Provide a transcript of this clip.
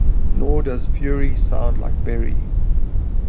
Nor does fury sound like bury.